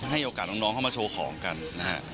ให้โอกาสน้องเข้ามาโชว์ของกันนะฮะ